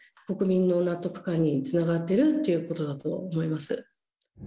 国民の納得感につながってるということだと思います。